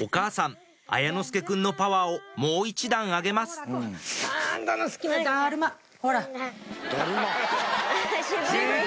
お母さん綾之介くんのパワーをもう一段上げます渋い。